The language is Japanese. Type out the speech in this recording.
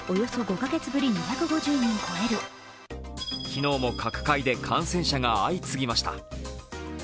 昨日も各界で感染者が相次ぎました。